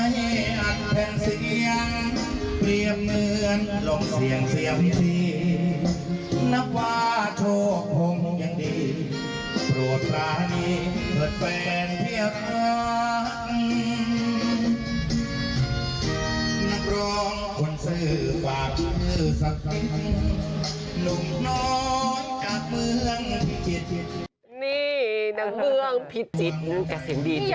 นี่ชีวิตเกี่ยวกับเสียงดีจริง